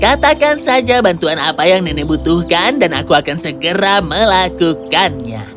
katakan saja bantuan apa yang nenek butuhkan dan aku akan segera melakukannya